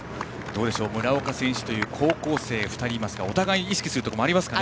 村岡選手という高校生２人いますがお互い意識することもありますかね。